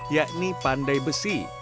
yakni pandai besi